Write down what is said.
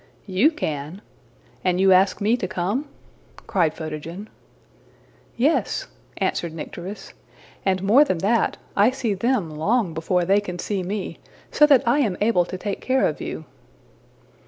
'' ``You can! and you ask me to come!'' cried Photogen. ``Yes,'' answered Nycteris. ``And more than that, I see them long before they can see me, so that I am able to take care of you.''